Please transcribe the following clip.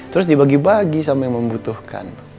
terus dibagi bagi sama yang membutuhkan